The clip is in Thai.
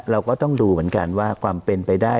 เราก็ต้องดูเหมือนกันว่าความเป็นไปได้